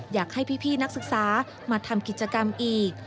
อยากให้พี่นักศึกษามาทำกิจกรรมอีก